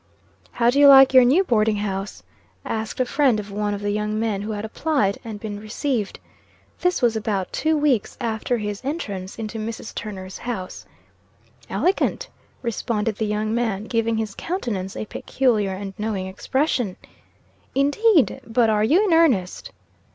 "How do you like your new boarding house?" asked a friend of one of the young men who had applied, and been received. This was about two weeks after his entrance into Mrs. Turner's house. "Elegant," responded the young man, giving his countenance a peculiar and knowing expression. "Indeed? But are you in earnest?"